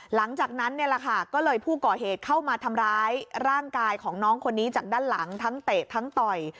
หลังจากนั้นเนี่ยแหละค่ะก็เลยผู้ก่อเหตุเข้ามาทำร้ายร่างกายของน้องคนนี้จากด้านหลังทั้งเตะทั้งต่อย